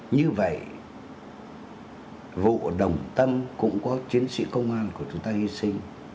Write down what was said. như vậy vụ đồng tâm cũng có chiến sĩ công an của chúng ta hy sinh